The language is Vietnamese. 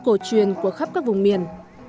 cổ truyền của khắp các vùng miền